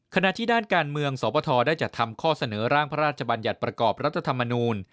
ขณะที่ด้านการเมืองสวบทได้จัดทำข้อเสนอร่างพระราชบัญญัติประกอบรัฐธรรมนูล